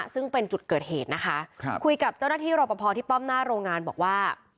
ซึ่งเป็นจุดเกิดเหตุนะคะคุยกับเจ้าหน้าที่รอปภที่ป้อมหน้าโรงงานบอกว่า